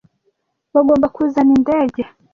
Bagomba kuzana indege